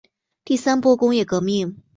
第三波工业革命